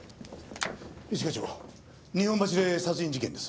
一課長日本橋で殺人事件です。